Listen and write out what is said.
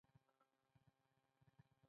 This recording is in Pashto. د هغه نسخې اوس هم نایابه دي.